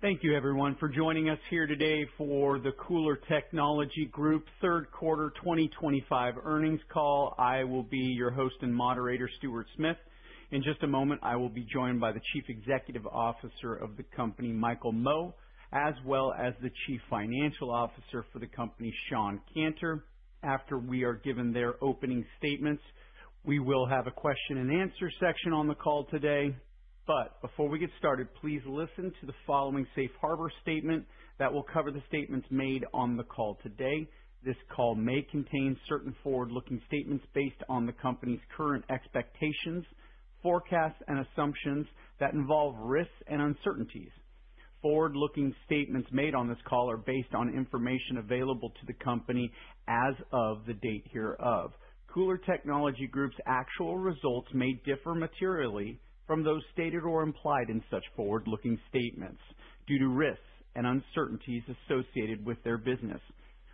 Thank you, everyone, for joining us here today for the KULR Technology Group Third Quarter 2025 Earnings Call. I will be your host and moderator, Stuart Smith. In just a moment, I will be joined by the Chief Executive Officer of the company, Michael Mo, as well as the Chief Financial Officer for the company, Shawn Canter. After we are given their opening statements, we will have a question-and-answer section on the call today. Before we get started, please listen to the following safe harbor statement that will cover the statements made on the call today. This call may contain certain forward-looking statements based on the company's current expectations, forecasts, and assumptions that involve risks and uncertainties. Forward-looking statements made on this call are based on information available to the company as of the date hereof. KULR Technology Group's actual results may differ materially from those stated or implied in such forward-looking statements due to risks and uncertainties associated with their business,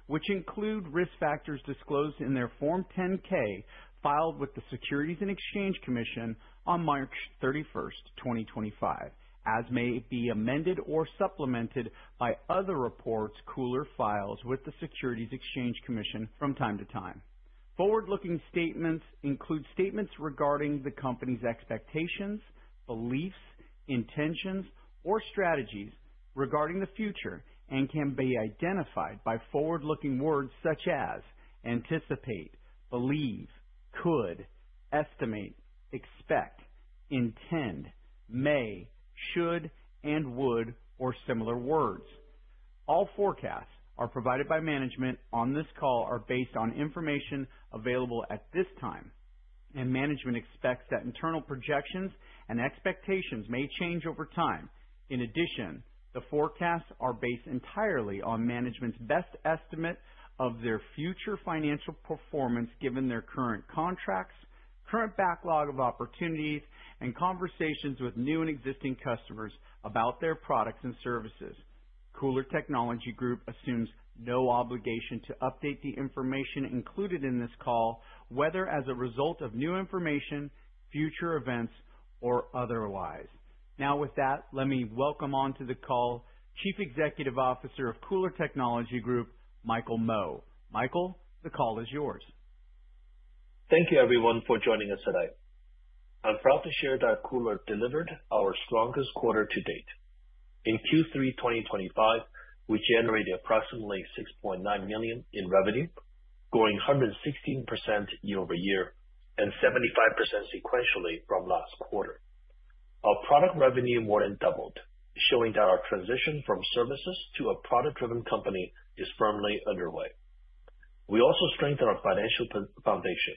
which include risk factors disclosed in their Form 10-K filed with the Securities and Exchange Commission on March 31, 2025, as may be amended or supplemented by other reports KULR files with the Securities and Exchange Commission from time to time. Forward-looking statements include statements regarding the company's expectations, beliefs, intentions, or strategies regarding the future and can be identified by forward-looking words such as anticipate, believe, could, estimate, expect, intend, may, should, and would, or similar words. All forecasts provided by management on this call are based on information available at this time, and management expects that internal projections and expectations may change over time. In addition, the forecasts are based entirely on management's best estimate of their future financial performance given their current contracts, current backlog of opportunities, and conversations with new and existing customers about their products and services. KULR Technology Group assumes no obligation to update the information included in this call, whether as a result of new information, future events, or otherwise. Now, with that, let me welcome onto the call Chief Executive Officer of KULR Technology Group, Michael Mo. Michael, the call is yours. Thank you, everyone, for joining us today. I'm proud to share that KULR Technology Group delivered our strongest quarter to date. In Q3 2025, we generated approximately $6.9 million in revenue, growing 116% year-over-year and 75% sequentially from last quarter. Our product revenue more than doubled, showing that our transition from services to a product-driven company is firmly underway. We also strengthened our financial foundation.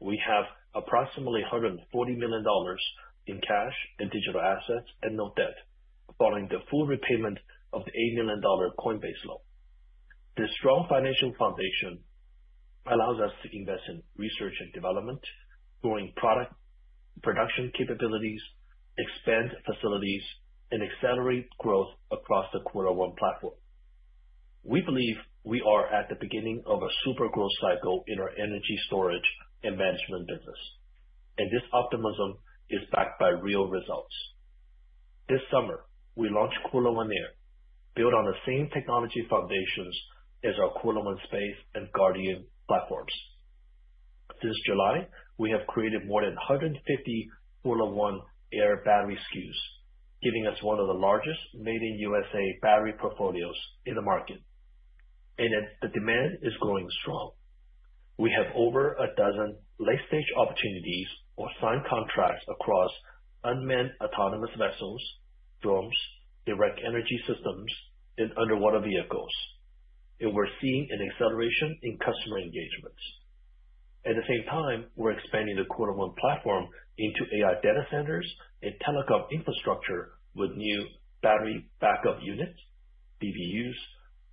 We have approximately $140 million in cash and digital assets and no debt, following the full repayment of the $8 million Coinbase loan. This strong financial foundation allows us to invest in research and development, growing product production capabilities, expand facilities, and accelerate growth across the KULR ONE platform. We believe we are at the beginning of a super growth cycle in our energy storage and management business, and this optimism is backed by real results. This summer, we launched KULR One Air, built on the same technology foundations as our KULR One Space and Guardian platforms. Since July, we have created more than 150 KULR One Air battery SKUs, giving us one of the largest made-in-USA battery portfolios in the market, and the demand is growing strong. We have over a dozen late-stage opportunities or signed contracts across unmanned autonomous vessels, drones, direct energy systems, and underwater vehicles, and we're seeing an acceleration in customer engagements. At the same time, we're expanding the KULR One platform into AI data centers and telecom infrastructure with new battery backup units, BBUs,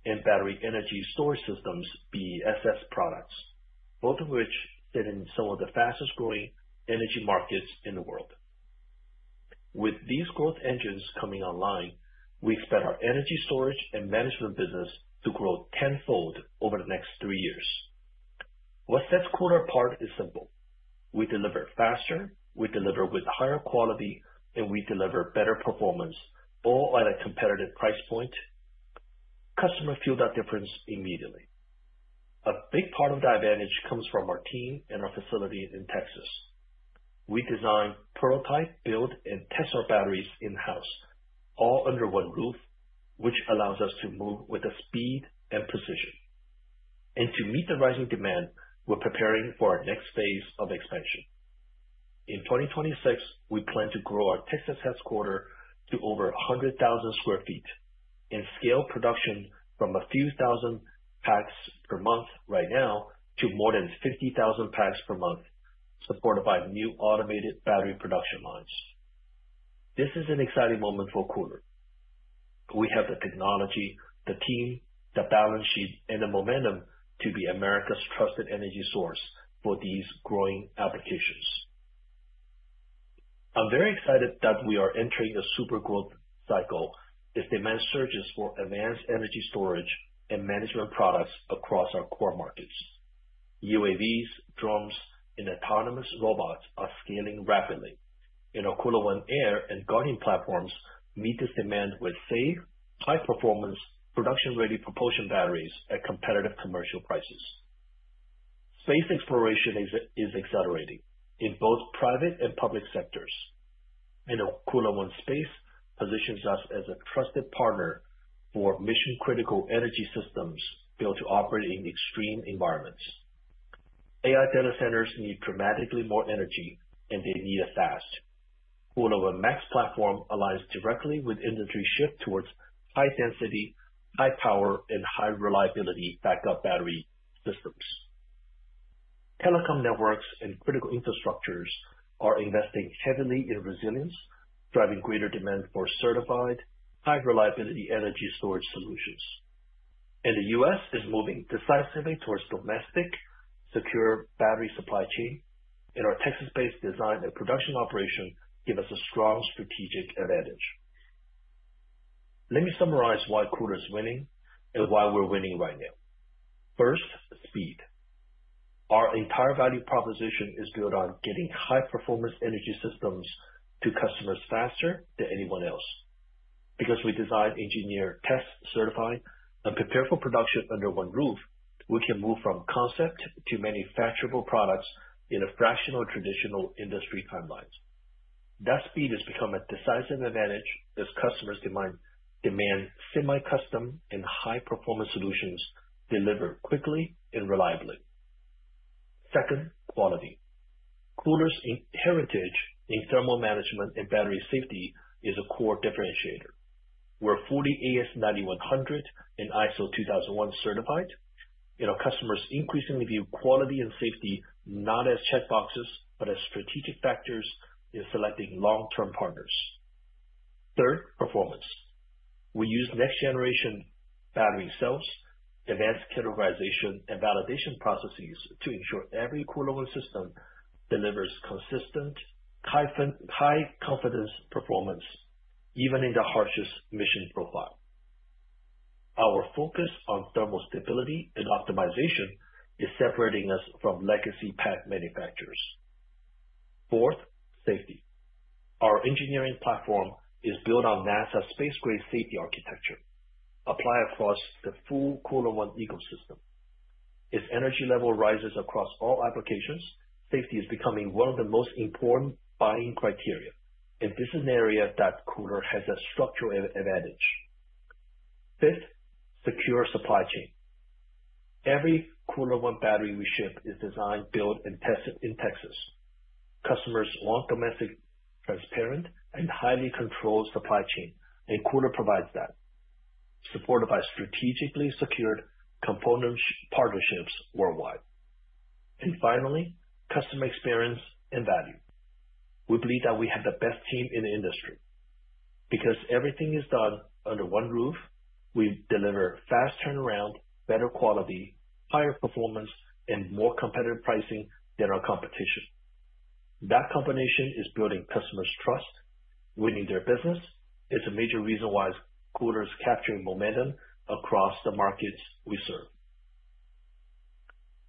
and battery energy storage systems, BESS products, both of which sit in some of the fastest-growing energy markets in the world. With these growth engines coming online, we expect our energy storage and management business to grow tenfold over the next three years. What sets KULR apart is simple: we deliver faster, we deliver with higher quality, and we deliver better performance, all at a competitive price point. Customers feel that difference immediately. A big part of that advantage comes from our team and our facility in Texas. We design, prototype, build, and test our batteries in-house, all under one roof, which allows us to move with speed and precision. To meet the rising demand, we're preparing for our next phase of expansion. In 2026, we plan to grow our Texas headquarters to over 100,000 sq ft and scale production from a few thousand packs per month right now to more than 50,000 packs per month, supported by new automated battery production lines. This is an exciting moment for KULR. We have the technology, the team, the balance sheet, and the momentum to be America's trusted energy source for these growing applications. I'm very excited that we are entering a super growth cycle as demand surges for advanced energy storage and management products across our core markets. UAVs, drones, and autonomous robots are scaling rapidly, and our KULR One Air and Guardian platforms meet this demand with safe, high-performance, production-ready propulsion batteries at competitive commercial prices. Space exploration is accelerating in both private and public sectors, and our KULR One Space positions us as a trusted partner for mission-critical energy systems built to operate in extreme environments. AI data centers need dramatically more energy, and they need it fast. KULR One Max platform aligns directly with industry shifts towards high-density, high-power, and high-reliability backup battery systems. Telecom networks and critical infrastructures are investing heavily in resilience, driving greater demand for certified, high-reliability energy storage solutions. The U.S. is moving decisively towards a domestic, secure battery supply chain, and our Texas-based design and production operation gives us a strong strategic advantage. Let me summarize why KULR is winning and why we're winning right now. First, speed. Our entire value proposition is built on getting high-performance energy systems to customers faster than anyone else. Because we design, engineer, test, certify, and prepare for production under one roof, we can move from concept to manufacturable products in a fraction of traditional industry timelines. That speed has become a decisive advantage as customers demand semi-custom and high-performance solutions delivered quickly and reliably. Second, quality. KULR's heritage in thermal management and battery safety is a core differentiator. We're AS9100 and ISO 9001 certified, and our customers increasingly view quality and safety not as checkboxes but as strategic factors in selecting long-term partners. Third, performance. We use next-generation battery cells, advanced categorization, and validation processes to ensure every KULR One system delivers consistent, high-confidence performance even in the harshest mission profile. Our focus on thermal stability and optimization is separating us from legacy pack manufacturers. Fourth, safety. Our engineering platform is built on NASA's space-grade safety architecture, applied across the full KULR One ecosystem. As energy level rises across all applications, safety is becoming one of the most important buying criteria, and this is an area that KULR has a structural advantage. Fifth, secure supply chain. Every KULR One battery we ship is designed, built, and tested in Texas. Customers want domestic, transparent, and highly controlled supply chain, and KULR provides that, supported by strategically secured component partnerships worldwide. Finally, customer experience and value. We believe that we have the best team in the industry. Because everything is done under one roof, we deliver fast turnaround, better quality, higher performance, and more competitive pricing than our competition. That combination is building customers' trust, winning their business. It's a major reason why KULR is capturing momentum across the markets we serve.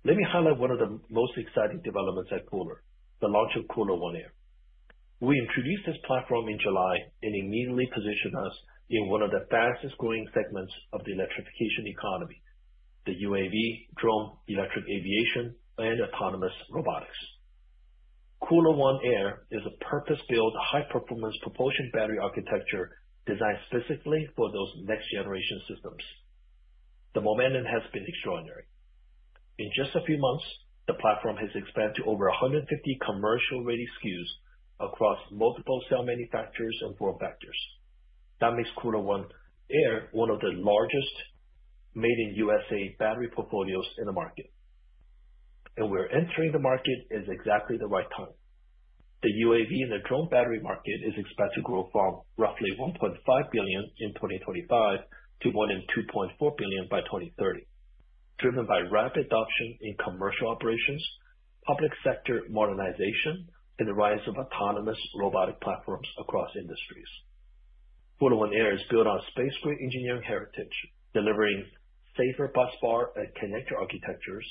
Let me highlight one of the most exciting developments at KULR, the launch of KULR One Air. We introduced this platform in July and immediately positioned us in one of the fastest-growing segments of the electrification economy: the UAV, drone, electric aviation, and autonomous robotics. KULR One Air is a purpose-built, high-performance propulsion battery architecture designed specifically for those next-generation systems. The momentum has been extraordinary. In just a few months, the platform has expanded to over 150 commercial-ready SKUs across multiple cell manufacturers and form factors. That makes KULR One Air one of the largest made-in-USA battery portfolios in the market. We're entering the market at exactly the right time. The UAV and the drone battery market is expected to grow from roughly $1.5 billion in 2025 to more than $2.4 billion by 2030, driven by rapid adoption in commercial operations, public sector modernization, and the rise of autonomous robotic platforms across industries. KULR One Air is built on a space-grade engineering heritage, delivering safer busbar and connector architectures,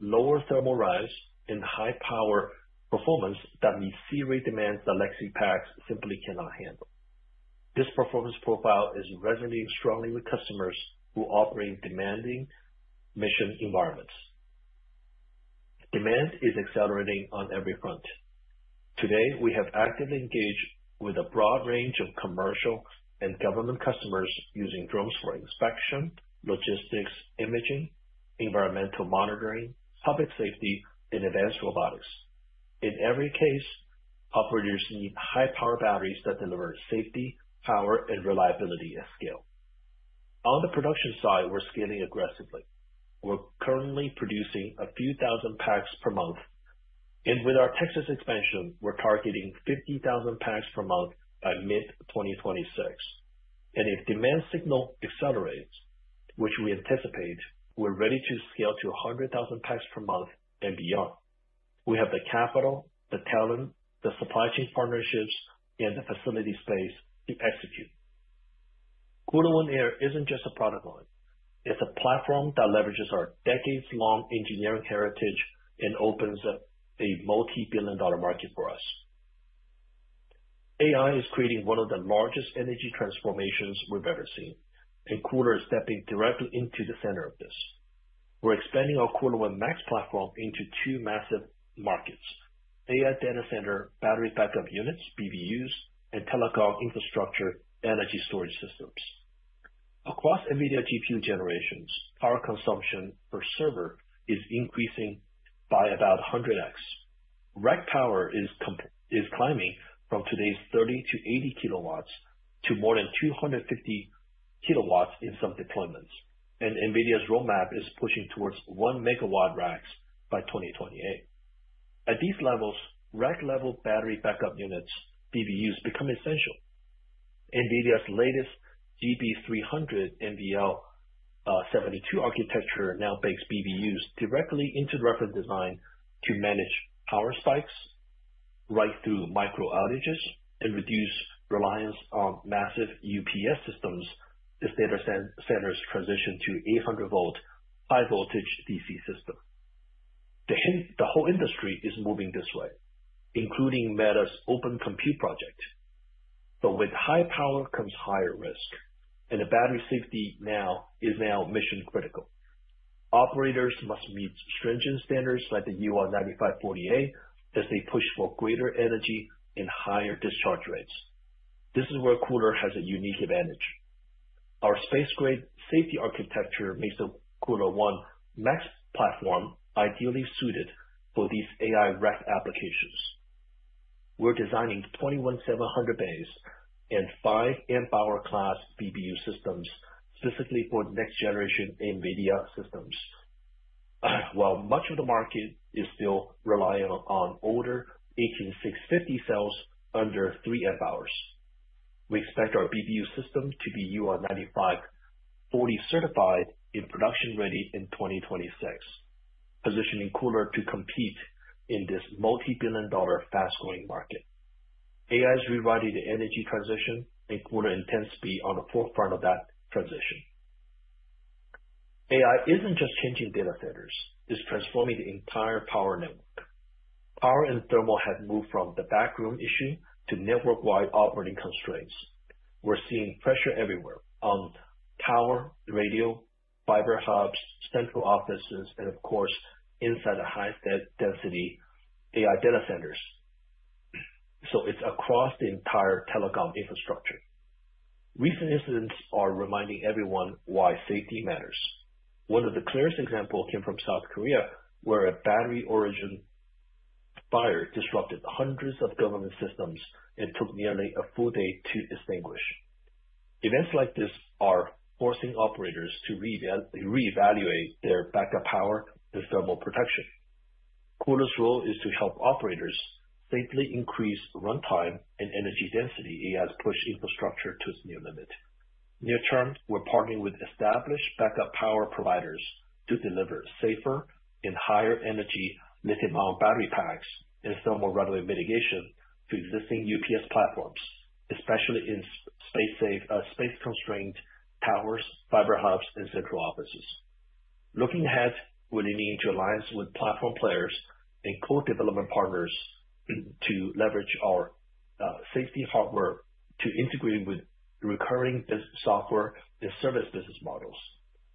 lower thermal rise, and high-power performance that meets C-Rate demands that legacy packs simply cannot handle. This performance profile is resonating strongly with customers who operate in demanding mission environments. Demand is accelerating on every front. Today, we have actively engaged with a broad range of commercial and government customers using drones for inspection, logistics, imaging, environmental monitoring, public safety, and advanced robotics. In every case, operators need high-power batteries that deliver safety, power, and reliability at scale. On the production side, we're scaling aggressively. We're currently producing a few thousand packs per month, and with our Texas expansion, we're targeting 50,000 packs per month by mid-2026. If demand signal accelerates, which we anticipate, we're ready to scale to 100,000 packs per month and beyond. We have the capital, the talent, the supply chain partnerships, and the facility space to execute. KULR One Air isn't just a product line. It's a platform that leverages our decades-long engineering heritage and opens up a multi-billion-dollar market for us. AI is creating one of the largest energy transformations we've ever seen, and KULR is stepping directly into the center of this. We're expanding our KULR One Max platform into two massive markets: AI data center battery backup units, BBUs, and telecom infrastructure energy storage systems. Across NVIDIA GPU generations, power consumption per server is increasing by about 100x. Rack power is climbing from today's 30-80 kilowatts to more than 250 kilowatts in some deployments, and NVIDIA's roadmap is pushing towards 1 megawatt racks by 2028. At these levels, rack-level battery backup units, BBUs, become essential. NVIDIA's latest GB300 NVL72 architecture now bakes BBUs directly into the reference design to manage power spikes right through micro outages and reduce reliance on massive UPS systems as data centers transition to 800-volt, high-voltage DC systems. The whole industry is moving this way, including Meta's Open Compute project. With high power comes higher risk, and the battery safety now is mission-critical. Operators must meet stringent standards like the UR9540A as they push for greater energy and higher discharge rates. This is where KULR has a unique advantage. Our space-grade safety architecture makes the KULR One Max platform ideally suited for these AI rack applications. We're designing 21,700 bays and 5 amp-hour-class BBU systems specifically for next-generation NVIDIA systems. While much of the market is still relying on older 18650 cells under 3 amp-hours, we expect our BBU system to be UR9540 certified and production-ready in 2026, positioning KULR to compete in this multi-billion-dollar fast-growing market. AI is rewriting the energy transition, and KULR intends to be on the forefront of that transition. AI isn't just changing data centers; it's transforming the entire power network. Power and thermal have moved from the backroom issue to network-wide operating constraints. We're seeing pressure everywhere: on power, radio, fiber hubs, central offices, and of course, inside the high-density AI data centers. It's across the entire telecom infrastructure. Recent incidents are reminding everyone why safety matters. One of the clearest examples came from South Korea, where a battery origin fire disrupted hundreds of government systems and took nearly a full day to extinguish. Events like this are forcing operators to reevaluate their backup power and thermal protection. KULR's role is to help operators safely increase runtime and energy density as pushed infrastructure to its new limit. Near term, we're partnering with established backup power providers to deliver safer and higher-energy lithium-ion battery packs and thermal runaway mitigation to existing UPS platforms, especially in space-constrained towers, fiber hubs, and central offices. Looking ahead, we're leaning into alliances with platform players and core development partners to leverage our safety hardware to integrate with recurring business software and service business models.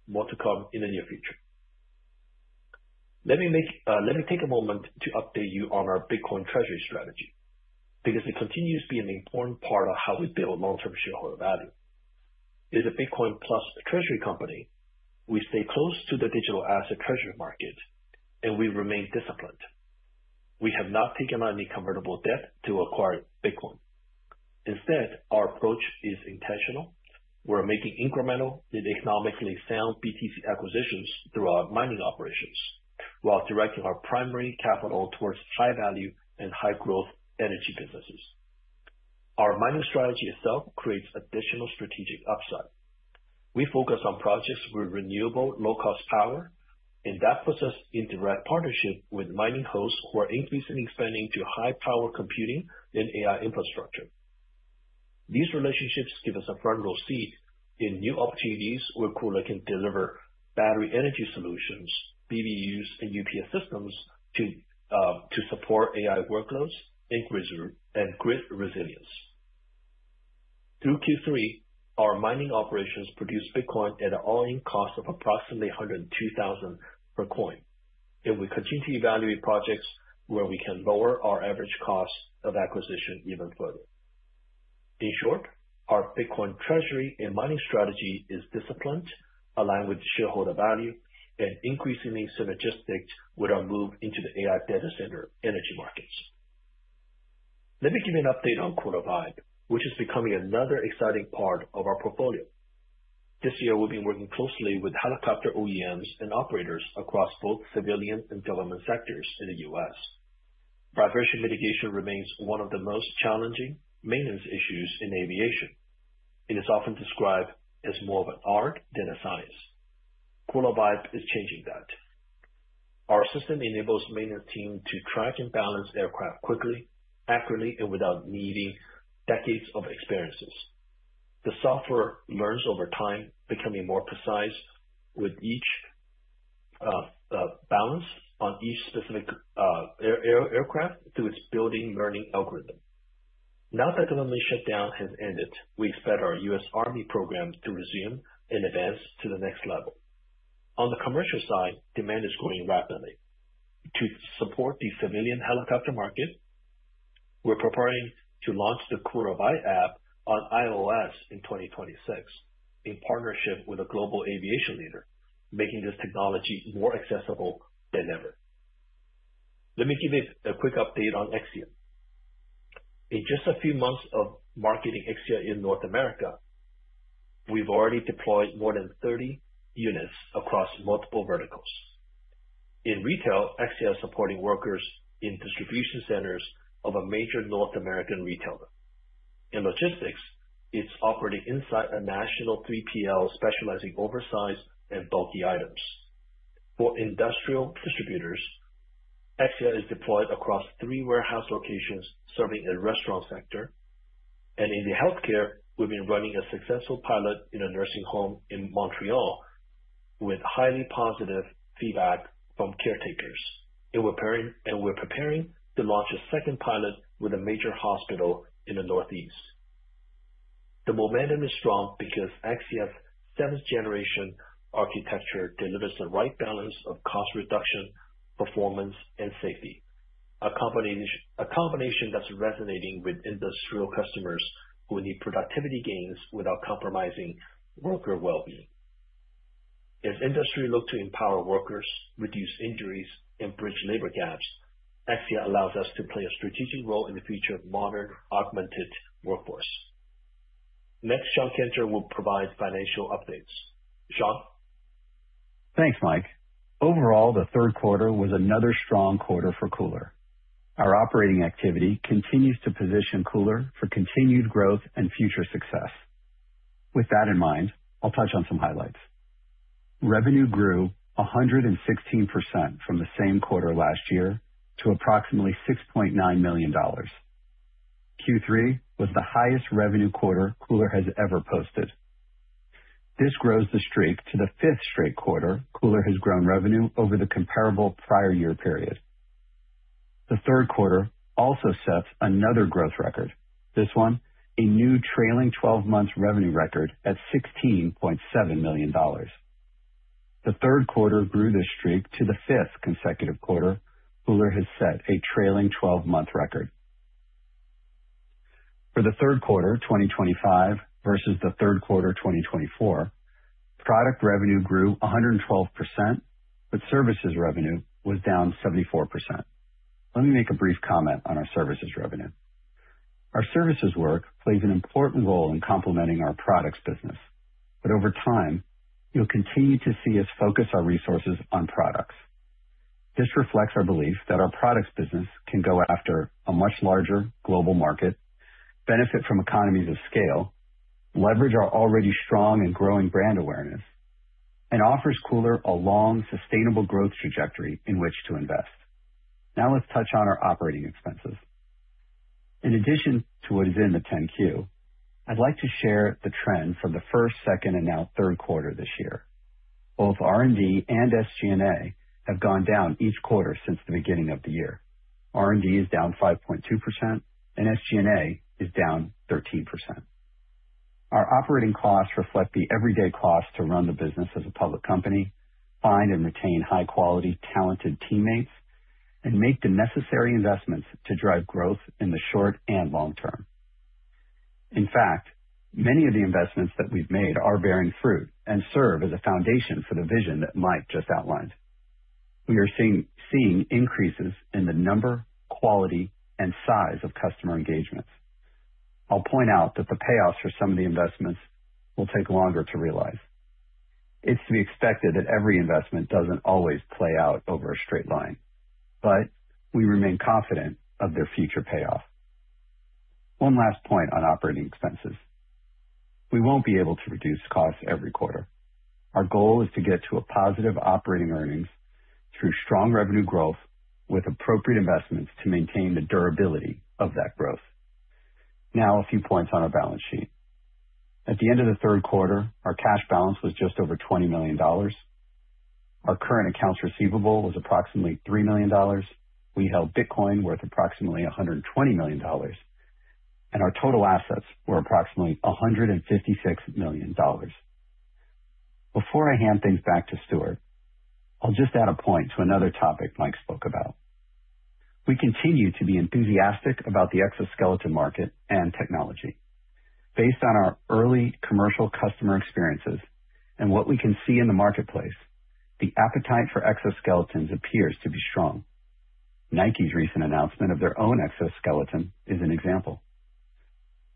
More to come in the near future. Let me take a moment to update you on our Bitcoin treasury strategy because it continues to be an important part of how we build long-term shareholder value. As a Bitcoin-plus treasury company, we stay close to the digital asset treasury market, and we remain disciplined. We have not taken on any convertible debt to acquire Bitcoin. Instead, our approach is intentional. We're making incremental and economically sound BTC acquisitions through our mining operations while directing our primary capital towards high-value and high-growth energy businesses. Our mining strategy itself creates additional strategic upside. We focus on projects with renewable low-cost power, and that puts us in direct partnership with mining hosts who are increasingly expanding to high-power computing and AI infrastructure. These relationships give us a front-row seat in new opportunities where KULR Technology Group can deliver battery energy solutions, BBUs, and UPS systems to support AI workloads and grid resilience. Through Q3, our mining operations produce Bitcoin at an all-in cost of approximately $102,000 per coin. We continue to evaluate projects where we can lower our average cost of acquisition even further. In short, our Bitcoin treasury and mining strategy is disciplined, aligned with shareholder value, and increasingly synergistic with our move into the AI data center energy markets. Let me give you an update on KULR Vibe, which is becoming another exciting part of our portfolio. This year, we've been working closely with helicopter OEMs and operators across both civilian and government sectors in the U.S. Vibration mitigation remains one of the most challenging maintenance issues in aviation. It is often described as more of an art than a science. KULR Vibe is changing that. Our system enables maintenance teams to track and balance aircraft quickly, accurately, and without needing decades of experience. The software learns over time, becoming more precise with each balance on each specific aircraft through its building learning algorithm. Now that government shutdown has ended, we expect our U.S. Army program to resume and advance to the next level. On the commercial side, demand is growing rapidly. To support the civilian helicopter market, we're preparing to launch the KULR VIBE app on iOS in 2026 in partnership with a global aviation leader, making this technology more accessible than ever. Let me give you a quick update on Exia. In just a few months of marketing Exia in North America, we've already deployed more than 30 units across multiple verticals. In retail, Exia is supporting workers in distribution centers of a major North American retailer. In logistics, it's operating inside a national 3PL specializing in oversize and bulky items. For industrial distributors, Exia is deployed across three warehouse locations serving the restaurant sector. In the healthcare, we've been running a successful pilot in a nursing home in Montreal with highly positive feedback from caretakers. We're preparing to launch a second pilot with a major hospital in the Northeast. The momentum is strong because Exia's seventh-generation architecture delivers the right balance of cost reduction, performance, and safety, a combination that's resonating with industrial customers who need productivity gains without compromising worker well-being. As industry looks to empower workers, reduce injuries, and bridge labor gaps, Exia allows us to play a strategic role in the future of modern augmented workforce. Next, Sean Canter will provide financial updates. Sean. Thanks, Mike. Overall, the third quarter was another strong quarter for KULR. Our operating activity continues to position KULR for continued growth and future success. With that in mind, I'll touch on some highlights. Revenue grew 116% from the same quarter last year to approximately $6.9 million. Q3 was the highest revenue quarter KULR has ever posted. This grows the streak to the fifth straight quarter KULR has grown revenue over the comparable prior year period. The third quarter also sets another growth record. This one, a new trailing 12-month revenue record at $16.7 million. The third quarter grew the streak to the fifth consecutive quarter KULR has set a trailing 12-month record. For the third quarter 2025 versus the third quarter 2024, product revenue grew 112%, but services revenue was down 74%. Let me make a brief comment on our services revenue. Our services work plays an important role in complementing our products business. Over time, you'll continue to see us focus our resources on products. This reflects our belief that our products business can go after a much larger global market, benefit from economies of scale, leverage our already strong and growing brand awareness, and offers KULR a long, sustainable growth trajectory in which to invest. Now let's touch on our operating expenses. In addition to what is in the 10Q, I'd like to share the trends for the first, second, and now third quarter this year. Both R&D and SG&A have gone down each quarter since the beginning of the year. R&D is down 5.2%, and SG&A is down 13%. Our operating costs reflect the everyday cost to run the business as a public company, find and retain high-quality, talented teammates, and make the necessary investments to drive growth in the short and long term. In fact, many of the investments that we've made are bearing fruit and serve as a foundation for the vision that Mike just outlined. We are seeing increases in the number, quality, and size of customer engagements. I'll point out that the payoffs for some of the investments will take longer to realize. It's to be expected that every investment doesn't always play out over a straight line, but we remain confident of their future payoff. One last point on operating expenses. We won't be able to reduce costs every quarter. Our goal is to get to a positive operating earnings through strong revenue growth with appropriate investments to maintain the durability of that growth. Now, a few points on our balance sheet. At the end of the third quarter, our cash balance was just over $20 million. Our current accounts receivable was approximately $3 million. We held Bitcoin worth approximately $120 million, and our total assets were approximately $156 million. Before I hand things back to Stuart, I'll just add a point to another topic Mike spoke about. We continue to be enthusiastic about the exoskeleton market and technology. Based on our early commercial customer experiences and what we can see in the marketplace, the appetite for exoskeletons appears to be strong. Nike's recent announcement of their own exoskeleton is an example.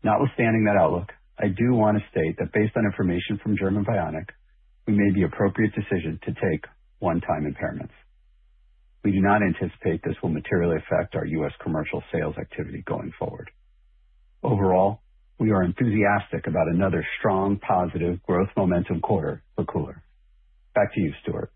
Notwithstanding that outlook, I do want to state that based on information from German Bionic, we made the appropriate decision to take one-time impairments. We do not anticipate this will materially affect our U.S. commercial sales activity going forward. Overall, we are enthusiastic about another strong, positive growth momentum quarter for KULR. Back to you, Stuart.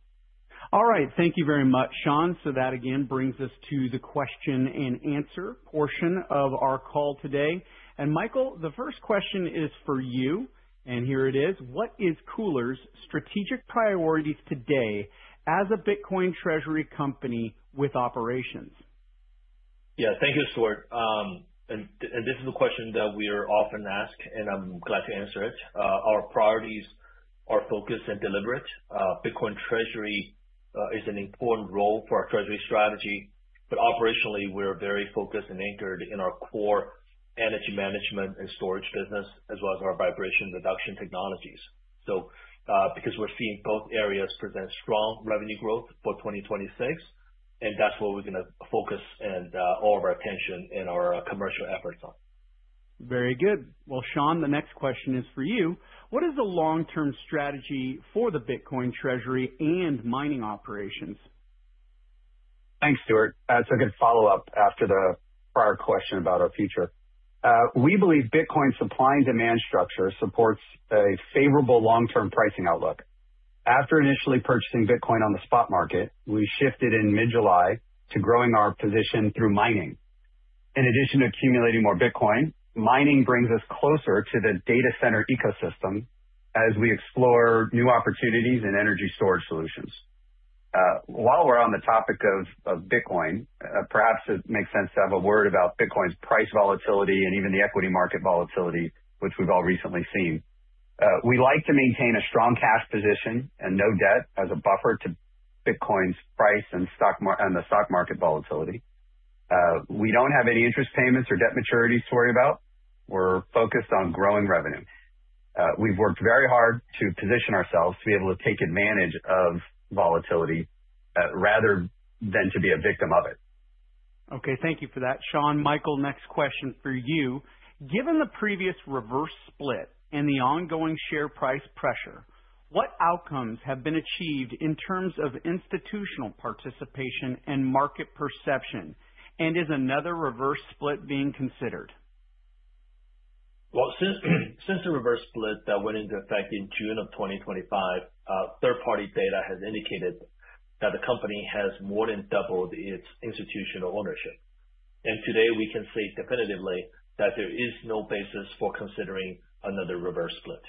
All right. Thank you very much, Sean. That, again, brings us to the question-and-answer portion of our call today. Michael, the first question is for you, and here it is. What is KULR's strategic priorities today as a Bitcoin treasury company with operations? Yeah, thank you, Stuart. This is a question that we are often asked, and I'm glad to answer it. Our priorities are focused and deliberate. Bitcoin treasury is an important role for our treasury strategy, but operationally, we're very focused and anchored in our core energy management and storage business, as well as our vibration reduction technologies. We're seeing both areas present strong revenue growth for 2026, and that's where we're going to focus all of our attention and our commercial efforts. Very good. Shawn, the next question is for you. What is the long-term strategy for the Bitcoin treasury and mining operations? Thanks, Stuart. That's a good follow-up after the prior question about our future. We believe Bitcoin's supply and demand structure supports a favorable long-term pricing outlook. After initially purchasing Bitcoin on the spot market, we shifted in mid-July to growing our position through mining. In addition to accumulating more Bitcoin, mining brings us closer to the data center ecosystem as we explore new opportunities in energy storage solutions. While we're on the topic of Bitcoin, perhaps it makes sense to have a word about Bitcoin's price volatility and even the equity market volatility, which we've all recently seen. We like to maintain a strong cash position and no debt as a buffer to Bitcoin's price and the stock market volatility. We don't have any interest payments or debt maturities to worry about. We're focused on growing revenue. We've worked very hard to position ourselves to be able to take advantage of volatility rather than to be a victim of it. Okay, thank you for that. Sean, Michael, next question for you. Given the previous reverse split and the ongoing share price pressure, what outcomes have been achieved in terms of institutional participation and market perception, and is another reverse split being considered? Since the reverse split that went into effect in June of 2023, third-party data has indicated that the company has more than doubled its institutional ownership. Today, we can say definitively that there is no basis for considering another reverse split.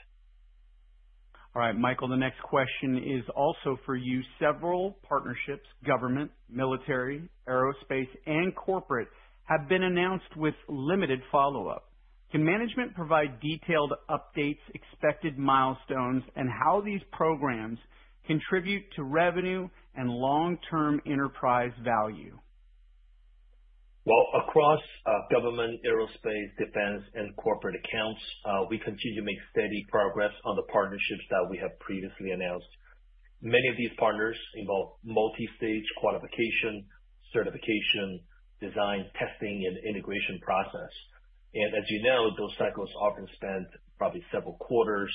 All right, Michael, the next question is also for you. Several partnerships, government, military, aerospace, and corporate, have been announced with limited follow-up. Can management provide detailed updates, expected milestones, and how these programs contribute to revenue and long-term enterprise value? Across government, aerospace, defense, and corporate accounts, we continue to make steady progress on the partnerships that we have previously announced. Many of these partners involve multi-stage qualification, certification, design, testing, and integration process. As you know, those cycles often spend probably several quarters,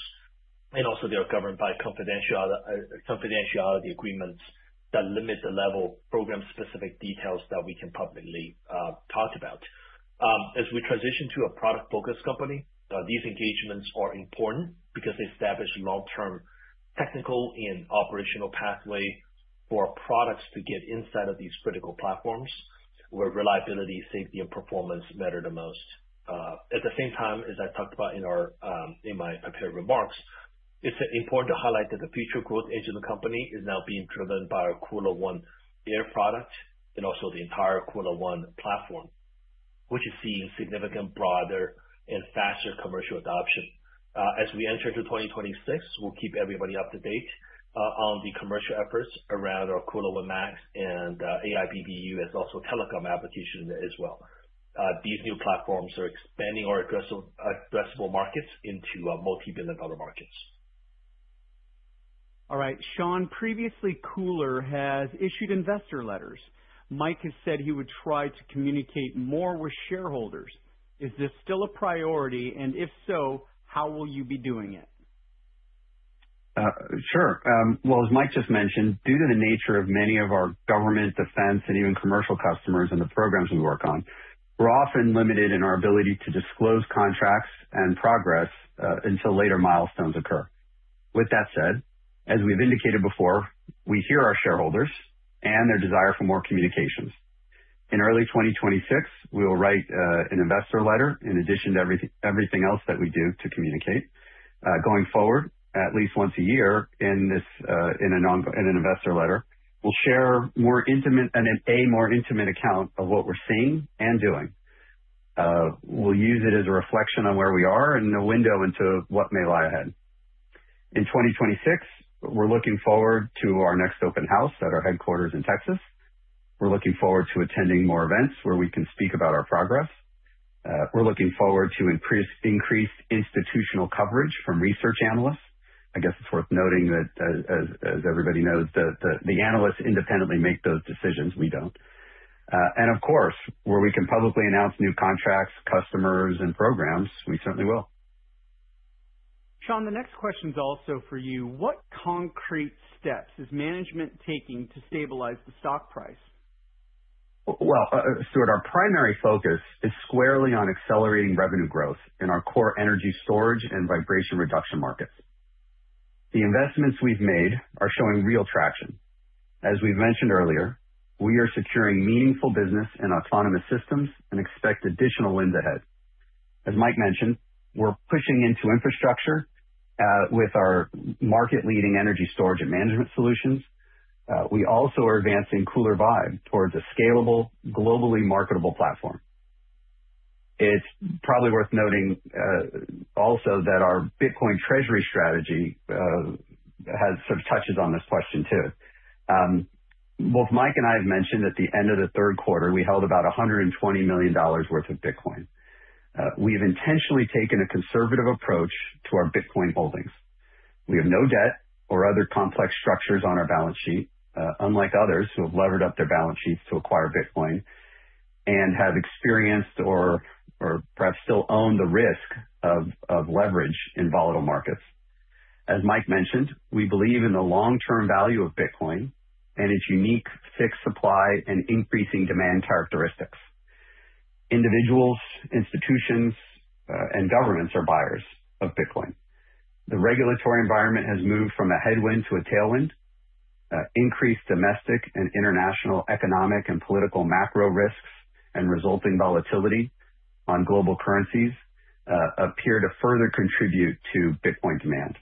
and also they are governed by confidentiality agreements that limit the level of program-specific details that we can publicly talk about. As we transition to a product-focused company, these engagements are important because they establish long-term technical and operational pathways for products to get inside of these critical platforms where reliability, safety, and performance matter the most. At the same time, as I talked about in my prepared remarks, it's important to highlight that the future growth edge of the company is now being driven by our KULR One Air product and also the entire KULR One platform, which is seeing significant broader and faster commercial adoption. As we enter into 2026, we'll keep everybody up to date on the commercial efforts around our KULR One Max and AIBBU, as well as telecom applications as well. These new platforms are expanding our addressable markets into multi-billion-dollar markets. All right, Sean, previously, KULR has issued investor letters. Mike has said he would try to communicate more with shareholders. Is this still a priority, and if so, how will you be doing it? Sure. As Mike just mentioned, due to the nature of many of our government, defense, and even commercial customers and the programs we work on, we're often limited in our ability to disclose contracts and progress until later milestones occur. With that said, as we've indicated before, we hear our shareholders and their desire for more communications. In early 2026, we will write an investor letter in addition to everything else that we do to communicate. Going forward, at least once a year in an investor letter, we'll share an A, more intimate account of what we're seeing and doing. We'll use it as a reflection on where we are and a window into what may lie ahead. In 2026, we're looking forward to our next open house at our headquarters in Texas. We're looking forward to attending more events where we can speak about our progress. We're looking forward to increased institutional coverage from research analysts. I guess it's worth noting that, as everybody knows, the analysts independently make those decisions; we don't. Of course, where we can publicly announce new contracts, customers, and programs, we certainly will. Sean, the next question is also for you. What concrete steps is management taking to stabilize the stock price? Our primary focus is squarely on accelerating revenue growth in our core energy storage and vibration reduction markets. The investments we've made are showing real traction. As we've mentioned earlier, we are securing meaningful business in autonomous systems and expect additional wins ahead. As Mike mentioned, we're pushing into infrastructure with our market-leading energy storage and management solutions. We also are advancing KULR VIBE towards a scalable, globally marketable platform. It's probably worth noting also that our Bitcoin treasury strategy sort of touches on this question too. Both Mike and I have mentioned at the end of the third quarter, we held about $120 million worth of Bitcoin. We have intentionally taken a conservative approach to our Bitcoin holdings. We have no debt or other complex structures on our balance sheet, unlike others who have levered up their balance sheets to acquire Bitcoin and have experienced or perhaps still own the risk of leverage in volatile markets. As Mike mentioned, we believe in the long-term value of Bitcoin and its unique fixed supply and increasing demand characteristics. Individuals, institutions, and governments are buyers of Bitcoin. The regulatory environment has moved from a headwind to a tailwind. Increased domestic and international economic and political macro risks and resulting volatility on global currencies appear to further contribute to Bitcoin demand.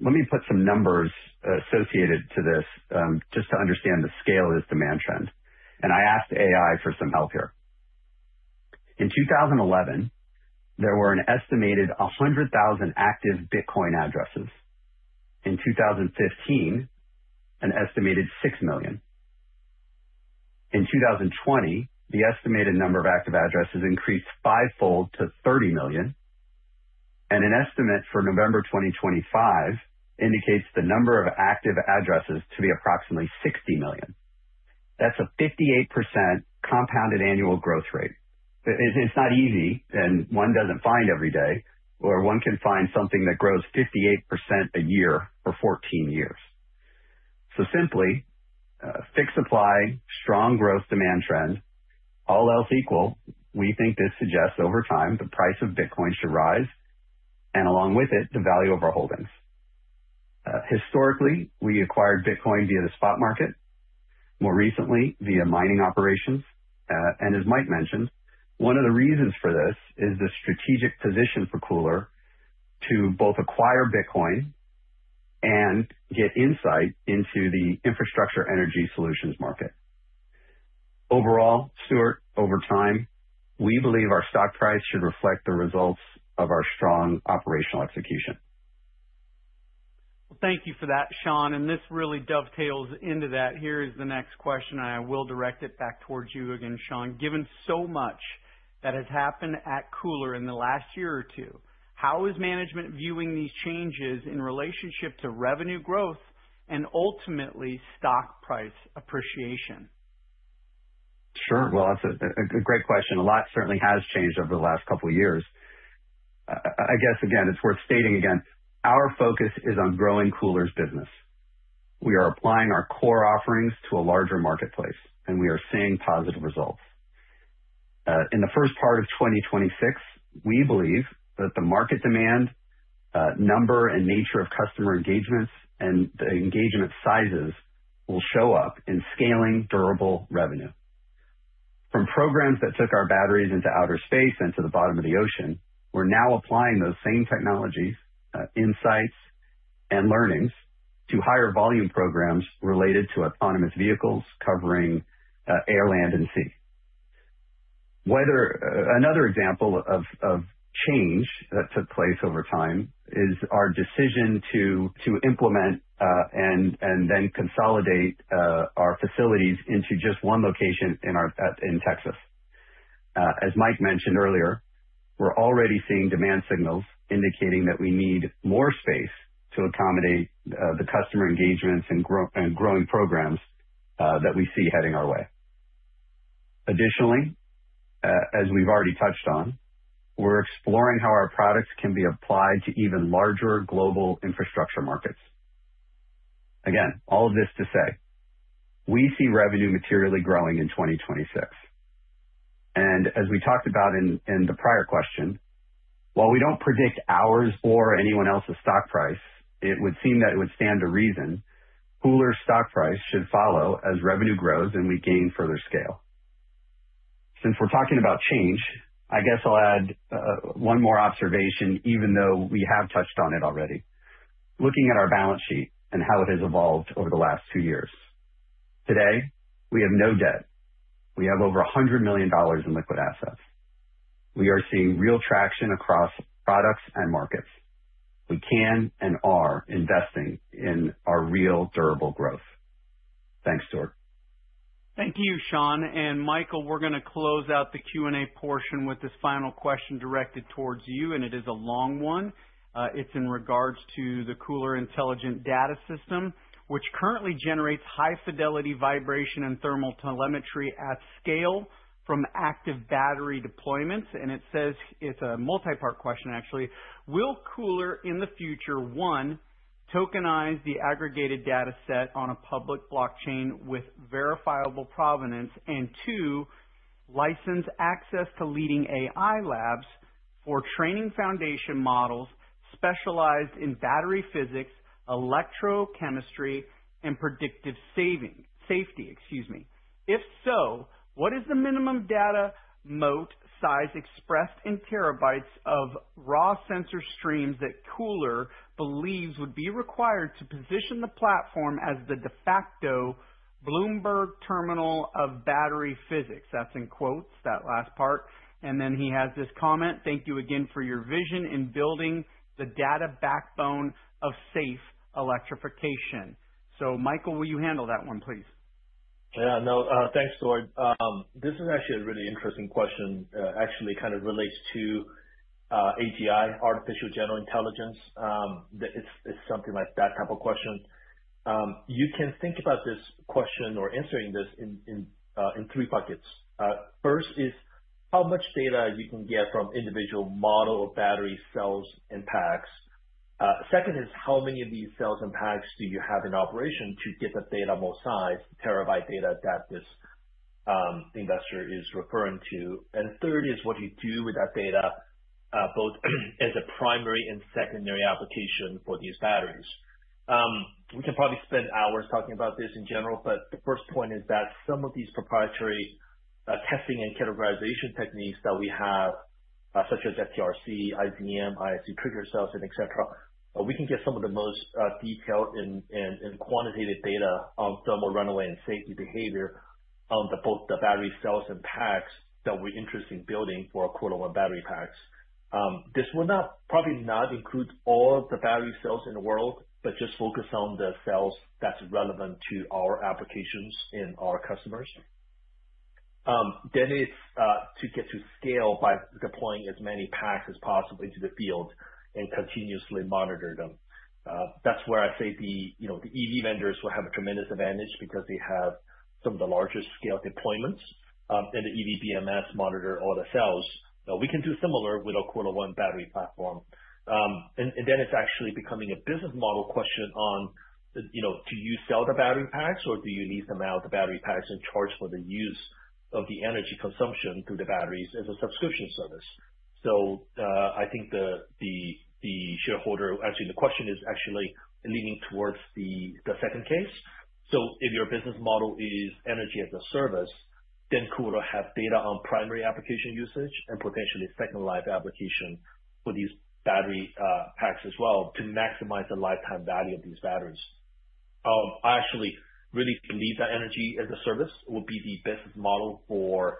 Let me put some numbers associated to this just to understand the scale of this demand trend. I asked AI for some help here. In 2011, there were an estimated 100,000 active Bitcoin addresses. In 2015, an estimated 6 million. In 2020, the estimated number of active addresses increased fivefold to 30 million. An estimate for November 2025 indicates the number of active addresses to be approximately 60 million. That is a 58% compounded annual growth rate. It is not easy, and one does not find every day, or one can find something that grows 58% a year for 14 years. Simply, fixed supply, strong growth demand trend, all else equal, we think this suggests over time the price of Bitcoin should rise, and along with it, the value of our holdings. Historically, we acquired Bitcoin via the spot market, more recently via mining operations. As Mike mentioned, one of the reasons for this is the strategic position for KULR to both acquire Bitcoin and get insight into the infrastructure energy solutions market. Overall, Stuart, over time, we believe our stock price should reflect the results of our strong operational execution. Thank you for that, Sean. This really dovetails into that. Here is the next question, and I will direct it back towards you again, Sean. Given so much that has happened at KULR in the last year or two, how is management viewing these changes in relationship to revenue growth and ultimately stock price appreciation? Sure. That's a great question. A lot certainly has changed over the last couple of years. I guess, again, it's worth stating again, our focus is on growing KULR's business. We are applying our core offerings to a larger marketplace, and we are seeing positive results. In the first part of 2026, we believe that the market demand, number, and nature of customer engagements and the engagement sizes will show up in scaling durable revenue. From programs that took our batteries into outer space and to the bottom of the ocean, we're now applying those same technologies, insights, and learnings to higher volume programs related to autonomous vehicles covering air, land, and sea. Another example of change that took place over time is our decision to implement and then consolidate our facilities into just one location in Texas. As Mike mentioned earlier, we're already seeing demand signals indicating that we need more space to accommodate the customer engagements and growing programs that we see heading our way. Additionally, as we've already touched on, we're exploring how our products can be applied to even larger global infrastructure markets. All of this to say, we see revenue materially growing in 2026. As we talked about in the prior question, while we don't predict ours or anyone else's stock price, it would seem that it would stand to reason KULR's stock price should follow as revenue grows and we gain further scale. Since we're talking about change, I guess I'll add one more observation, even though we have touched on it already. Looking at our balance sheet and how it has evolved over the last two years, today, we have no debt. We have over $100 million in liquid assets. We are seeing real traction across products and markets. We can and are investing in our real durable growth. Thanks, Stuart. Thank you, Sean. Michael, we're going to close out the Q&A portion with this final question directed towards you, and it is a long one. It's in regards to the KULR Intelligent Data System, which currently generates high-fidelity vibration and thermal telemetry at scale from active battery deployments. It says it's a multi-part question, actually. Will KULR in the future, one, tokenize the aggregated dataset on a public blockchain with verifiable provenance, and two, license access to leading AI labs for training foundation models specialized in battery physics, electrochemistry, and predictive safety? If so, what is the minimum data moat size expressed in terabytes of raw sensor streams that KULR believes would be required to position the platform as the de facto Bloomberg terminal of battery physics? That's in quotes, that last part. He has this comment, "Thank you again for your vision in building the data backbone of safe electrification." Michael, will you handle that one, please? Yeah. No, thanks, Stuart. This is actually a really interesting question. Actually, it kind of relates to AGI, Artificial General Intelligence. It's something like that type of question. You can think about this question or answering this in three buckets. First is how much data you can get from individual model or battery cells and packs. Second is how many of these cells and packs do you have in operation to get the data more size, terabyte data that this investor is referring to. Third is what you do with that data, both as a primary and secondary application for these batteries. We can probably spend hours talking about this in general, but the first point is that some of these proprietary testing and categorization techniques that we have, such as FTRC, IZM, ISC trigger cells, etc., we can get some of the most detailed and quantitative data on thermal runaway and safety behavior on both the battery cells and packs that we're interested in building for our KULR One battery packs. This will probably not include all the battery cells in the world, but just focus on the cells that's relevant to our applications and our customers. It is to get to scale by deploying as many packs as possible into the field and continuously monitor them. That's where I say the EV vendors will have a tremendous advantage because they have some of the largest scale deployments, and the EVBMS monitor all the cells. We can do similar with our KULR ONE battery platform. Then it's actually becoming a business model question on, do you sell the battery packs, or do you lease them out, the battery packs, and charge for the use of the energy consumption through the batteries as a subscription service? I think the shareholder, actually, the question is actually leaning towards the second case. If your business model is energy as a service, then KULR will have data on primary application usage and potentially second life application for these battery packs as well to maximize the lifetime value of these batteries. I actually really believe that energy as a service will be the business model for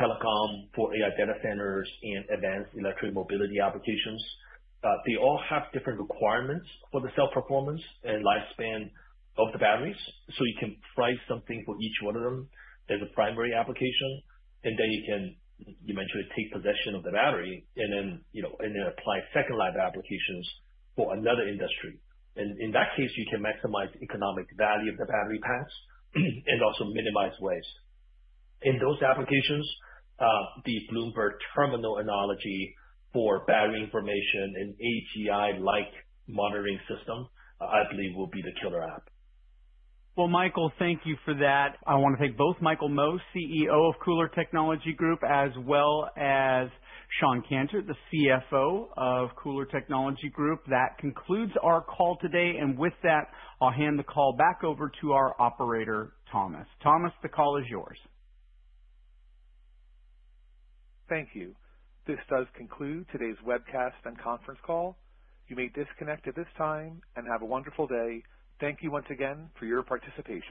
telecom, for AI data centers, and advanced electric mobility applications. They all have different requirements for the cell performance and lifespan of the batteries. You can price something for each one of them as a primary application, and then you can eventually take possession of the battery and then apply second life applications for another industry. In that case, you can maximize the economic value of the battery packs and also minimize waste. In those applications, the Bloomberg terminal analogy for battery information and AGI-like monitoring system, I believe, will be the killer app. Michael, thank you for that. I want to thank both Michael Mo, CEO of KULR Technology Group, as well as Shawn Canter, the CFO of KULR Technology Group. That concludes our call today. With that, I'll hand the call back over to our operator, Thomas. Thomas, the call is yours. Thank you. This does conclude today's webcast and conference call. You may disconnect at this time and have a wonderful day. Thank you once again for your participation.